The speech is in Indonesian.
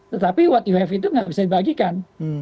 tetapi what you have itu nggak bisa dibagikan